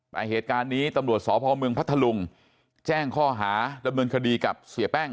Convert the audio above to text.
ประเหตุการณ์นี้ตำรวจสพพัทธลุงแจ้งข้อหาระเมินคดีกับเสียแป้ง